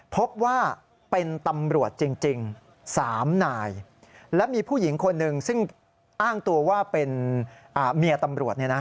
พบว่าเป็นตำรวจจริง๓นายและมีผู้หญิงคนหนึ่งซึ่งอ้างตัวว่าเป็นเมียตำรวจเนี่ยนะ